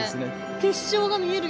結晶が見える。